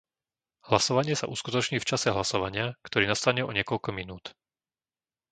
Hlasovanie sa uskutoční v čase hlasovania, ktorý nastane o niekoľko minút.